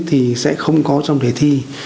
thì sẽ không có trong đề thi